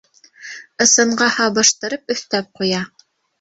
Ысынға һабыштырып өҫтәп ҡуя.